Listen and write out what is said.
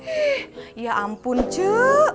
ih ya ampun cu